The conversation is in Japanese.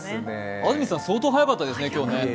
安住さん、相当早かったですね、今日。